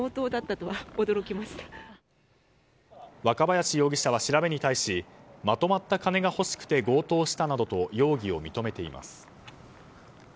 若林容疑者は調べに対しまとまった金が欲しくて強盗したなどと容疑を認めています。